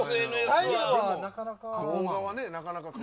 動画はなかなか。